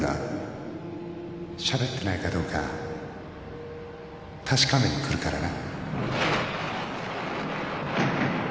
しゃべってないかどうか確かめに来るからな